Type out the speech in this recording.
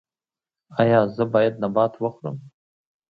ایا زه باید نبات وخورم؟